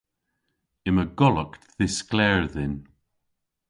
Yma golok dhiskler dhyn.